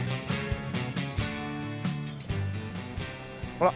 ほら。